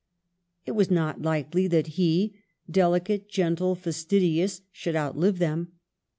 It was not Ukely that he, dehcate, gentle, fastidious, should out live them.